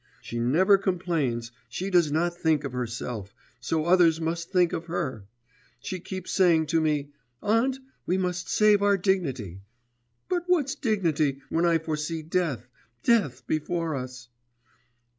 She never complains; she does not think of herself, so others must think of her! She keeps saying to me, "Aunt, we must save our dignity!" but what's dignity, when I foresee death, death before us?